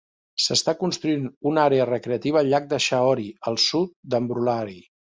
S'està construint una àrea recreativa al llac de Shaori, al sud d'Ambrolauri.